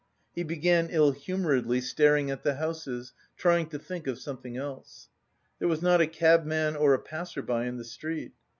He began ill humouredly staring at the houses, trying to think of something else. There was not a cabman or a passer by in the street.